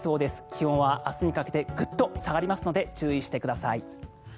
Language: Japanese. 気温は明日にかけてグッと下がりますので注意してください。